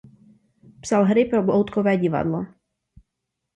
Psal hry pro loutkové divadlo.